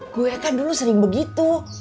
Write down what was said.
gue kan dulu sering begitu